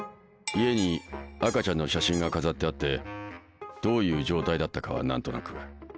家に赤ちゃんの写真が飾ってあってどういう状態だったかは何となく。